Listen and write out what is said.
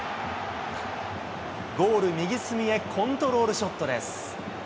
ゴール右隅へコントロールショットです。